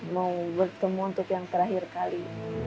mau bertemu untuk yang terakhir kali